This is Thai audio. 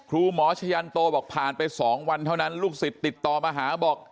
ครูหมอชะยันโตบอกผ่านไป๒วันเท่านั้นลูกศิษย์ติดต่อมาหาบอก